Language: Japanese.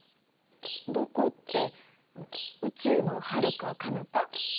どこって宇宙のはるかかなた？